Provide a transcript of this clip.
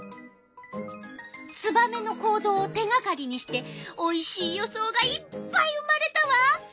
ツバメの行動を手がかりにしておいしい予想がいっぱい生まれたわ。